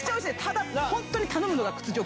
ただ本当に頼むのが屈辱。